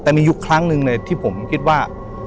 แต่มียุคครั้งหนึ่งเลยที่ผมคิดว่า